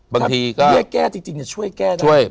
เบี้ยแก้จริงจะช่วยแก้ได้ไหม